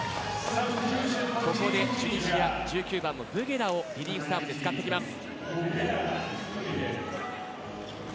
ここでチュニジアが１９番のブゲラをリリーフサーブで使ってきます。